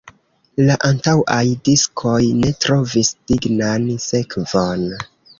La antaŭaj diskoj ne trovis dignan sekvon.